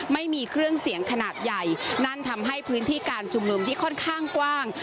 ไม่มีเครื่องเสียงขนาดใหญ่นั่นทำให้พื้นที่การชุมนุมที่ค่อนข้างกว้าง